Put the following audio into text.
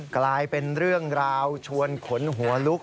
กลายเป็นเรื่องราวชวนขนหัวลุก